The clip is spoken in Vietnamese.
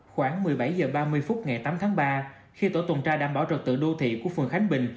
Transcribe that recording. khoảng một mươi bảy h ba mươi phút ngày tám tháng ba khi tổ tuần tra đảm bảo trật tự đô thị của phường khánh bình